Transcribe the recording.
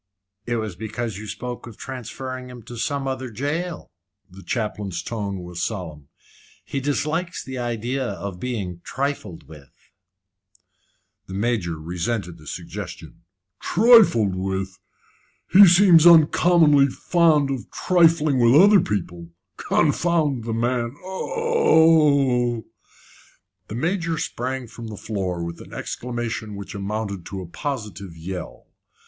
"It was because you spoke of transferring him to some other jail." The chaplain's tone was solemn. "He dislikes the idea of being trifled with." The Major resented the suggestion. "Trifled with? He seems uncommonly fond of trifling with other people. Confound the man! Oh h!" The Major sprang from the floor with an exclamation which amounted to a positive yell.